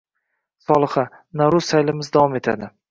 Solixa: Navruz saylimiz davom etadi.